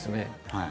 はい。